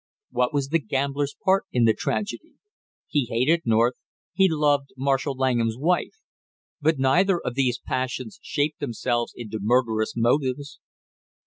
"What was the gambler's part in the tragedy?" He hated North; he loved Marshall Langham's wife. But neither of these passions shaped themselves into murderous motives.